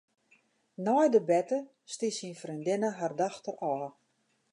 Nei de berte stie syn freondinne har dochter ôf.